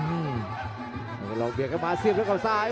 อื้อหือลองเบียดเข้ามาเสียบเข้ามาซ้าย